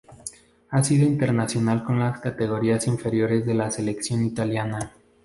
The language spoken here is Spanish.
Ha sido internacional con las categorías inferiores de la Selección italiana.